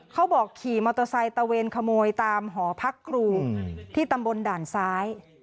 เขาบอกขี่มอเตอร์ไซค์ตะเวนขโมยตามหอพักครูที่ตำบลด่านซ้าย